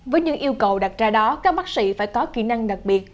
với những yêu cầu đặt ra đó các bác sĩ phải có kỹ năng đặc biệt